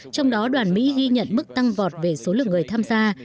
trong đó đoàn mỹ ghi nhận mức tăng vọt về số lượng người tham gia